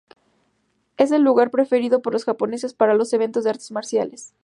Es el lugar preferido por los japoneses para los eventos de artes marciales.